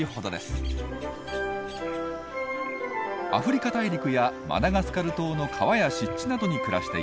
アフリカ大陸やマダガスカル島の川や湿地などに暮らしています。